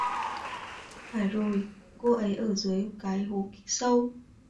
Phải rồi cô ấy ở dưới cái hố sâu